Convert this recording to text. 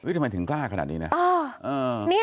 ทำไมถึงกล้าขนาดนี้นะ